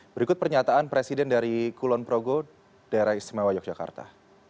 berikut pernyataan presiden dari kulon progo daerah istimewa yogyakarta